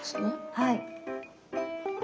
はい。